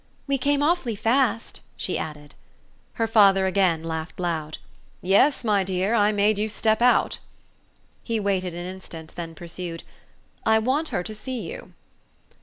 "We came awfully fast," she added. Her father again laughed loud. "Yes, my dear, I made you step out!" He waited an instant, then pursued: "I want her to see you."